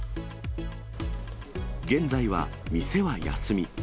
現在は店は休み。